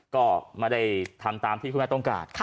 ก็ไม่ได้ทำตามที่คุณแม่ต้องการ